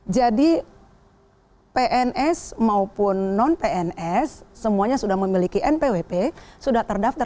jadi pns maupun non pns semuanya sudah memiliki npwp sudah terdaftar